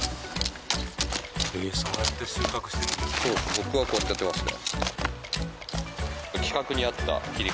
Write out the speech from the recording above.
僕はこうやってやってますね。